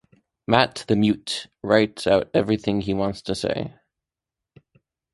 Matt the Mute writes out everything he wants to say.